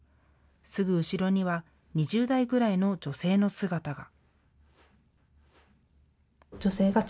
すぐ後ろには、２０代ぐらいの女性の姿が。